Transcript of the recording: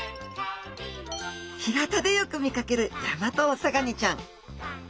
干潟でよく見かけるヤマトオサガニちゃん。